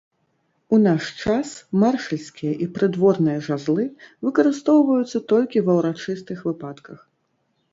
У наш час маршальскія і прыдворныя жазлы выкарыстоўваюцца толькі ва ўрачыстых выпадках.